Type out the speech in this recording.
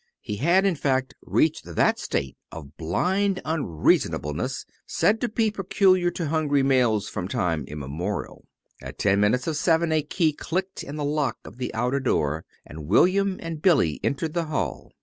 He had, in fact, reached that state of blind unreasonableness said to be peculiar to hungry males from time immemorial. At ten minutes of seven a key clicked in the lock of the outer door, and William and Billy entered the hall.